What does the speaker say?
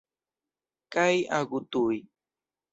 Kaj agu tuj.